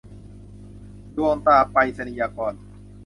ดวงตราไปรษณียากร